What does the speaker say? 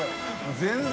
全然。